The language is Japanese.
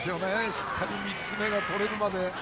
しっかり３つ目がとれるまで。